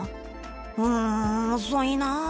「うん遅いなぁ。